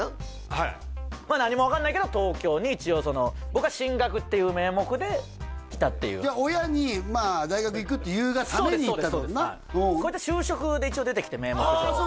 はい何も分かんないけど東京に一応僕は進学っていう名目で来たっていうじゃあ親に大学行くって言うがために行ったってことだなこいつは就職で一応出てきて名目上ああ